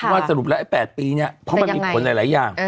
สรุปแล้วไอ้๘ปีเนี่ยเพราะมันมีผลหลายอย่าง